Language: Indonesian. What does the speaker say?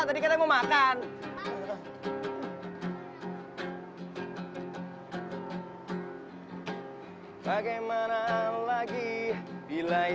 tapi kayaknya suaranya ga asing lagi deh